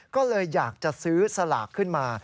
ก็เลยอยากจะซื้อสลากขึ้นมา